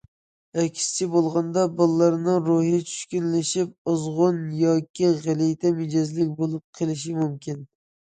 ئەكسىچە بولغاندا، بالىلارنىڭ روھى چۈشكۈنلىشىپ ئازغۇن ياكى غەلىتە مىجەزلىك بولۇپ قېلىشى مۇمكىن.